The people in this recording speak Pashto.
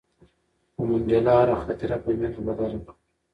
خو منډېلا هره خاطره په مینه بدله کړه.